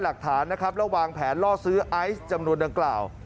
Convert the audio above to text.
หลักฐานนะครับแล้ววางแผนล่อซื้อไอซ์จำนวนดังกล่าว